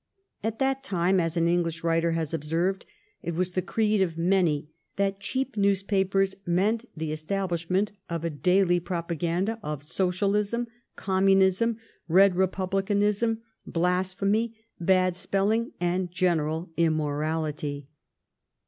At that time, as an English writer has observed, it was the creed of many that cheap newspapers meant the establishment of a daily propaganda of socialism, communism, red repub licanism, blasphemy, bad spelling, and general immorality.